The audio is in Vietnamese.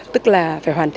tức là phải hoàn thành